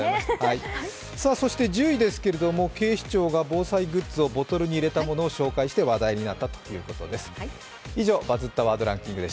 １０位ですけれども、警視庁が防災グッズをボトルに入れたものを紹介して話題になったということです。